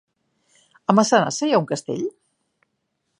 A Massanassa hi ha un castell?